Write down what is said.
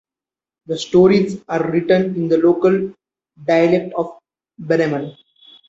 The stories are written in the local dialect of Bremen.